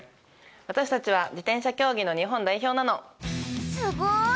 私たちは自転車競技の日本代表なのすごーい！